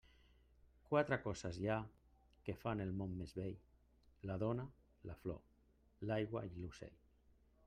Quatre coses hi ha que fan el món més bell: la dona, la flor, l'aigua i l'ocell.